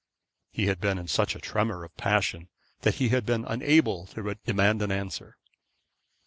He had been in such a tremor of passion that he had been unable to demand an answer.